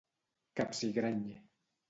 Capsigrany